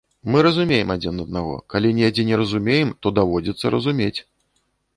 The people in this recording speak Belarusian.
Мы разумеем адзін аднаго, калі недзе не разумеем, то даводзіцца разумець.